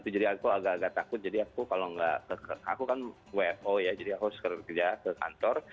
jadi aku agak agak takut jadi aku kalau nggak aku kan wfo ya jadi aku harus kerja ke kantor